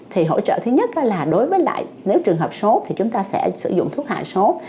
thì hỗ trợ thứ nhất là đối với lại nếu trường hợp sốt thì chúng ta sẽ sử dụng thuốc hạ sốt